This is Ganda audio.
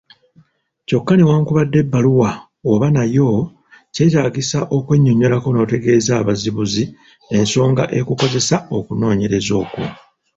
Kyokka newankubadde ebbaluwa oba nayo kyetaagisa okwennyonnyolako n’otegeeza abazibuzi ensonga ekukozesa okunoonyereza okwo.